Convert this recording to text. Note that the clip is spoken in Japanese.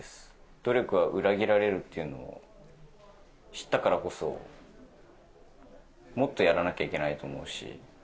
努力は裏切られるっていうのを知ったからこそ、もっとやらなきゃいけないと思うし。